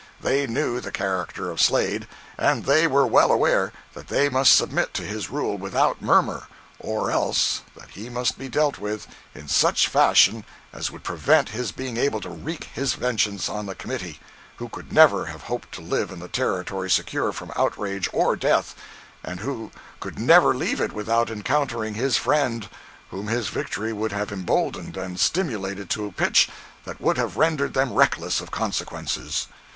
They knew the character of Slade, and they were well aware that they must submit to his rule without murmur, or else that he must be dealt with in such fashion as would prevent his being able to wreak his vengeance on the committee, who could never have hoped to live in the Territory secure from outrage or death, and who could never leave it without encountering his friends, whom his victory would have emboldened and stimulated to a pitch that would have rendered them reckless of consequences.